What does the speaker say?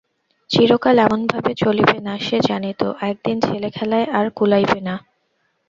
চিরকাল এমনভাবে চলিবে না সে জানিত, একদিন ছেলেখেলায় আর কুলাইবে না।